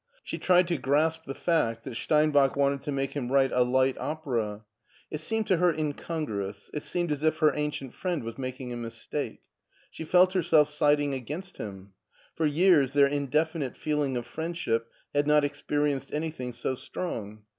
She tried to grasp the fact that Steinbach wanted to make him write a light opera. It seemed to her incongruous; it seemed as if her ancient friend was making a mistake. She felt herself siding against him. For years their indefinite feeling of friendship had not experienced anything so strong.